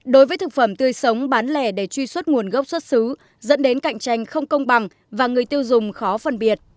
đối với thực phẩm tươi sống bán lẻ để truy xuất nguồn gốc xuất xứ dẫn đến cạnh tranh không công bằng và người tiêu dùng khó phân biệt